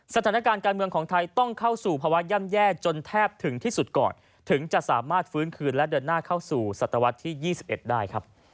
สถานการณ์การเมืองของไทยต้องเข้าสู่ภาวะย่ำแย่จนแทบถึงที่สุดก่อนถึงจะสามารถฟื้นคืนและเดินหน้าเข้าสู่ศตวรรษที่๒๑ได้ครับ